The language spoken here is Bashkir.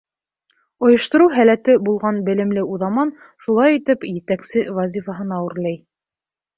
Ойоштороу һәләте булған белемле уҙаман, шулай итеп, етәксе вазифаһына үрләй.